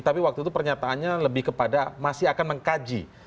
tapi waktu itu pernyataannya lebih kepada masih akan mengkaji